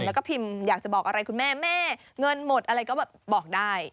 แล้วก็พิมพ์อยากจะบอกอะไรคุณแม่แม่เงินหมดอะไรก็แบบบอกได้